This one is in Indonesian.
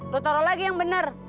lu taro lagi yang bener